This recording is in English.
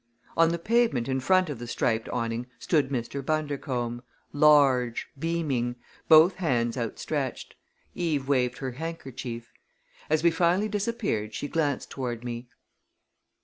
On the pavement in front of the striped awning stood Mr. Bundercombe large, beaming, both hands outstretched. Eve waved her handkerchief. As we finally disappeared she glanced toward me.